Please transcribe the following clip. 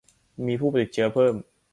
มีผู้ติดเชื้อเพิ่ม